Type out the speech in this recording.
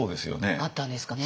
あったんですかね。